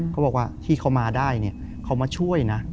เค้าบอกว่าที่เค้ามาได้เนี่ยเค้ามาช่วยนะ